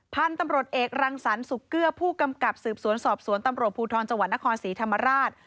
พันธุ์ตำรวจเอกรังสรรสุกเกลือผู้กำกับสืบสวนสอบสวนตำรวจภูทรจังหวัดนครศรีธรรมราช